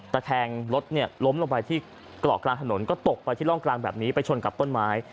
แคงรถเนี่ยล้มลงไปที่เกาะกลางถนนก็ตกไปที่ร่องกลางแบบนี้ไปชนกับต้นไม้